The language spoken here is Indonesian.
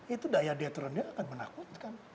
itu daya dia terendah akan menakutkan